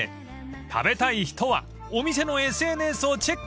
［食べたい人はお店のＳＮＳをチェックです］